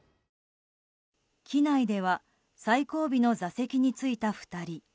機内では最後尾の座席についた２人。